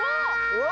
うわ！